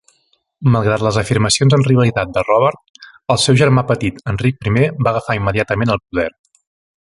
Malgrat les afirmacions en rivalitat de Robert, el seu germà petit Enric I va agafar immediatament el poder.